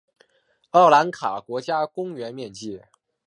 奥兰卡国家公园面积。